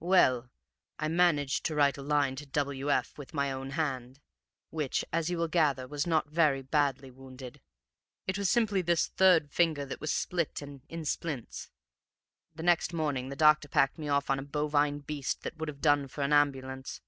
"Well, I managed to write a line to W. F. with my own hand, which, as you will gather, was not very badly wounded; it was simply this third finger that was split and in splints; and next morning the doctor packed me off on a bovine beast that would have done for an ambulance.